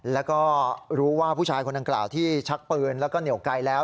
แล้วก็รู้ว่าผู้ชายคนดังกล่าวที่ชักปืนแล้วก็เหนียวไกลแล้ว